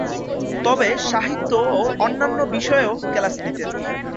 তবে সাহিত্য ও অন্যান্য বিষয়েও ক্লাস নিতেন।